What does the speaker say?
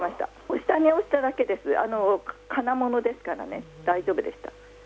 下に落ちただけです金物ですからね、大丈夫でした。